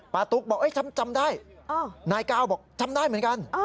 ตุ๊กบอกจำได้นายก้าวบอกจำได้เหมือนกัน